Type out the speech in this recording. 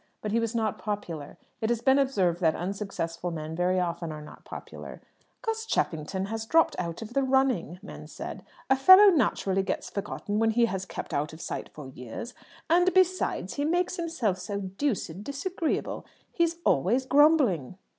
But he was not popular. It has been observed that unsuccessful men very often are not popular. "Gus Cheffington has dropped out of the running," men said. "A fellow naturally gets forgotten when he has kept out of sight for years and besides, he makes himself so deuced disagreeable! He's always grumbling."